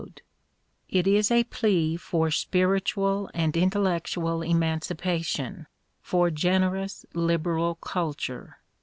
I» EMERSON 139 It is a plea for spiritual and intellectual emanci pation, for generous liberal culture.